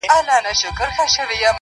دا د پېړيو اتل مه ورانوی،